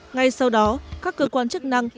ngay sau đó các cơ quan chức năng